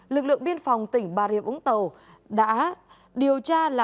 lực lượng biên phòng tỉnh bà riệp ứng tàu